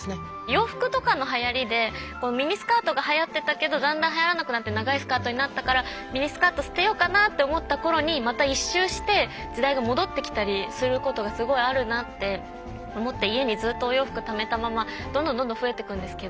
洋服とかのはやりでミニスカートがはやってたけどだんだんはやらなくなって長いスカートになったからミニスカート捨てようかなと思った頃にまた一周して時代が戻ってきたりすることがすごいあるなって思って家にずっとお洋服ためたままどんどんどんどん増えてくんですけど。